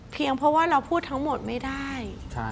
เพราะว่าเราพูดทั้งหมดไม่ได้